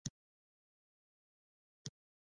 مجاهدین به حکمتیار ته حکومت کولو ته پرې نه ږدي.